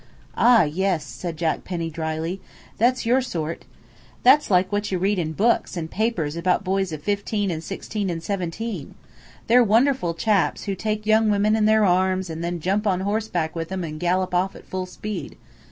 "Ah! yes," said Jack Penny dryly, "that's your sort! That's like what you read in books and papers about boys of fifteen, and sixteen, and seventeen. They're wonderful chaps, who take young women in their arms and then jump on horseback with 'em and gallop off at full speed.